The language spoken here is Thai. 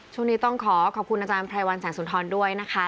ช่วงนี้ต้องขอขอบคุณอาจารย์ไพรวัลแสงสุนทรด้วยนะคะ